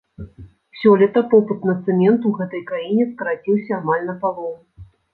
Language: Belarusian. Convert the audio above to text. Сёлета попыт на цэмент у гэтай краіне скараціўся амаль на палову.